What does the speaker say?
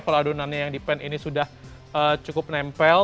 kalau adonannya yang dipen ini sudah cukup nempel